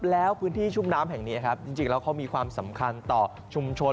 แล้วพื้นที่ชุ่มน้ำแห่งนี้ครับจริงแล้วเขามีความสำคัญต่อชุมชน